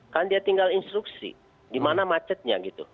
kan dia tinggal instruksi di mana macetnya gitu